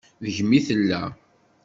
Deg-m i tella.